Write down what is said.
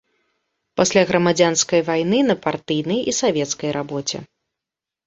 Пасля грамадзянскай вайны на партыйнай і савецкай рабоце.